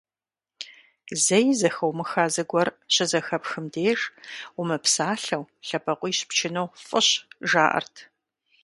Зэи зэхыумыха зыгуэр щызэхэпхым деж, умыпсалъэу лъэбакъуищ пчыну фӀыщ, жаӀэрт.